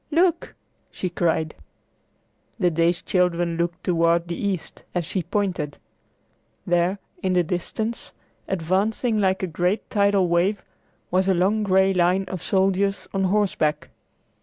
Look!" she cried. The dazed children looked toward the east as she pointed. There in the distance, advancing like a great tidal wave, was a long gray line of soldiers on horseback.